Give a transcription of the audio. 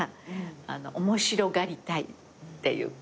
面白がりたいっていうか。